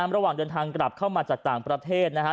ระหว่างเดินทางกลับเข้ามาจากต่างประเทศนะครับ